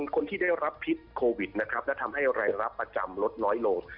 คนที่ได้รับพิษโควิดนะครับและทำให้รายรับประจำลดน้อยลง